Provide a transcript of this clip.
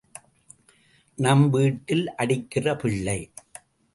நம் வீட்டில், அடிக்கிற பிள்ளை.